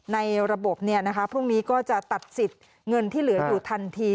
ในระบบพรุ่งนี้ก็จะตัดสิทธิ์เงินที่เหลืออยู่ทันที